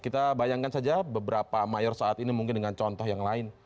kita bayangkan saja beberapa mayor saat ini mungkin dengan contoh yang lain